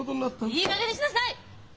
いいかげんにしなさい！